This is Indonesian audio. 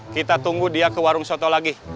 kita tunggu dia ke warung soto lagi